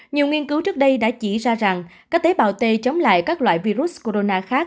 nhiều nghiên cứu trước đây đã chỉ ra rằng các tế bào t chống lại các loại virus corona khác